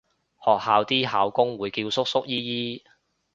學校啲校工會叫叔叔姨姨